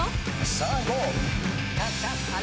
さあいこう。